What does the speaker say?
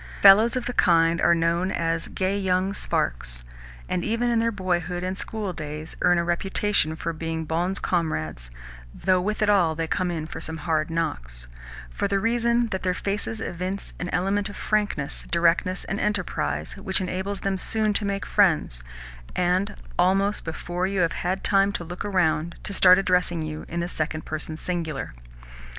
Fellows of the kind are known as "gay young sparks," and, even in their boyhood and school days, earn a reputation for being bons camarades (though with it all they come in for some hard knocks) for the reason that their faces evince an element of frankness, directness, and enterprise which enables them soon to make friends, and, almost before you have had time to look around, to start addressing you in the second person singular.